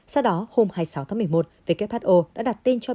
sau đó hôm hai mươi sáu tháng một mươi một who đã đặt tên cho biến thể mới